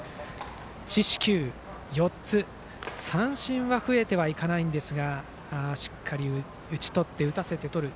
四死球４つ三振は増えていきませんがしっかり打ち取って打たせてとる。